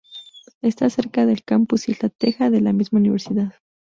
Está cerca del "Campus Isla Teja," de la misma Universidad.